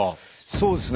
そうですね。